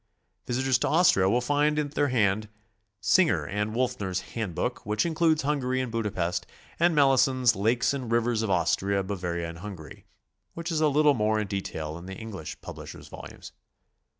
Visitors to Austria will find at their hand Singer and Wolfner's "Handbook," which includes Hungary and Buda pest; and Malleson's "Lakes and Rivers of Austria, Bavaria and Hungary," which is a little more in detail than the Eng lish publishers' volumes.